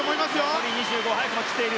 残り２５ｍを切っている。